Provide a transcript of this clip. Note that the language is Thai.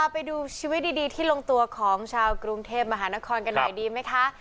ไปดูชีวิตดีที่ลงตัวของชาวกรุงเทพมหานครกันหน่อยดีไหมคะ